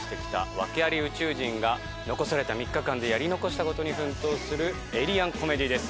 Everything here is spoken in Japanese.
訳アリ宇宙人が残された３日間でやり残した事に奮闘するエイリアンコメディです。